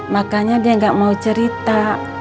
makanya dia gak mau cerita